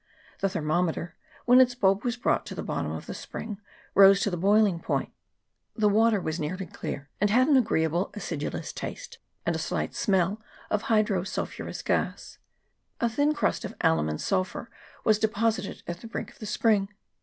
The thermometer, when its bulb was brought to the bottom of the spring, rose to the boiling point. The water was nearly clear, and had an agreeable acidulous taste and a slight smell of hydrosulphurous gas ; a thin crust of alum and sulphur was deposited at the brink of the spring.